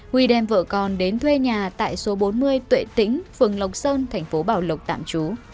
huy đem vợ con đến thuê nhà tại số bốn mươi tuệ tĩnh phường lộc sơn thành phố bảo lộc tạm trú